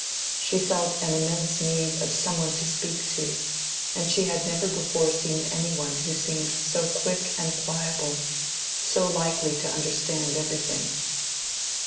She felt an immense need of some one to speak to, and she had never before seen any one who seemed so quick and pliable, so likely to understand everything.